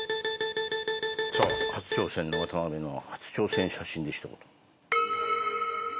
さあ初挑戦の渡辺の初挑戦写真で一言。